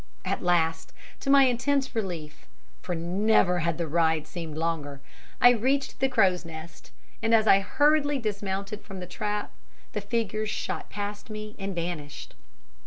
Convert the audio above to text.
At last, to my intense relief for never had the ride seemed longer I reached the Crow's Nest, and as I hurriedly dismounted from the trap, the figures shot past me and vanished.